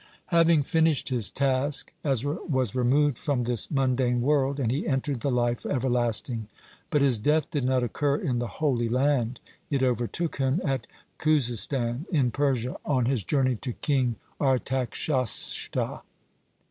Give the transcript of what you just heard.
(50) Having finished his task, Ezra was removed from this mundane world, and he entered the life everlasting. But his death did not occur in the Holy Land. It overtook him at Khuzistan, in Persia, on his journey to King Artachshashta.